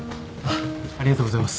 ありがとうございます。